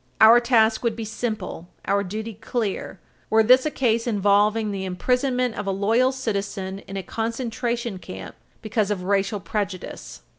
Our task would be simple, our duty clear, were this a case involving the imprisonment of a loyal citizen in a concentration camp because of racial prejudice.